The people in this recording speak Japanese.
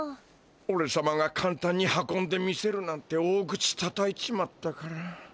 おれさまがかんたんに運んでみせるなんて大口たたいちまったから。